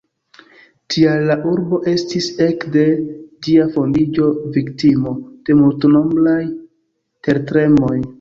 Tial la urbo estis ek de ĝia fondiĝo viktimo de multnombraj tertremoj.